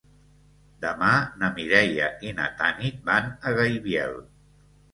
Demà na Mireia i na Tanit van a Gaibiel.